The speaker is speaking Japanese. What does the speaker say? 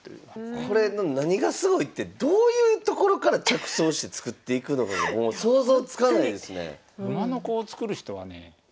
これの何がすごいってどういうところから着想して作っていくのかがもう想像つかないですね。